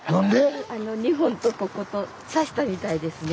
あの２本とここと挿したみたいですね。